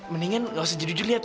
mendingan gak usah jadi juliet